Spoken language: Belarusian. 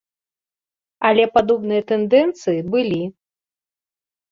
Але падобныя тэндэнцыі былі.